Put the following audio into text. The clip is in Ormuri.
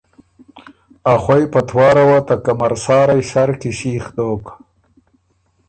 ا خوئ پتواره وه ته کمرسارئ سر کی سیخ دوک،